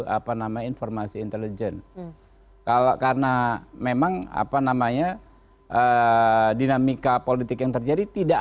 apa nama informasi intelijen kalau karena memang apa namanya dinamika politik yang terjadi tidak